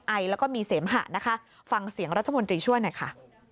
ไอแล้วก็มีเสมหะนะคะฟังเสียงรัฐมนตรีช่วยหน่อยค่ะ